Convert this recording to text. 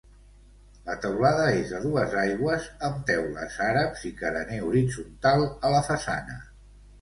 La teulada és a dues aigües amb teules àrabs i carener horitzontal a la façana.